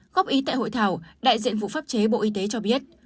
góp ý tại hội thảo đại diện vụ pháp chế bộ y tế cho biết